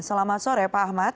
selamat sore pak ahmad